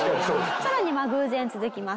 さらに偶然続きます。